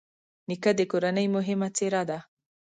نیکه د کورنۍ مهمه څېره ده.